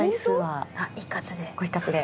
ご一括で。